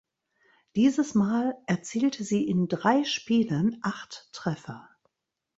Dieses mal erzielte sie in drei Spielen acht Treffer.